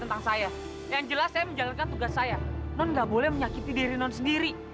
tentang saya yang jelas saya menjalankan tugas saya non nggak boleh menyakiti diri non sendiri